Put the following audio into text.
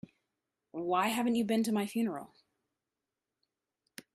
Why haven't you been to my funeral?